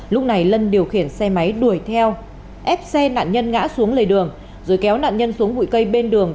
lúc này lân điều khiển xe máy đuổi theo ép xe nạn nhân ngã xuống lề đường rồi kéo nạn nhân xuống bụi cây bên đường